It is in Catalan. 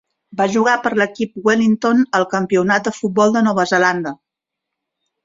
Va jugar per l'equip Wellington al Campionat de futbol de Nova Zelanda.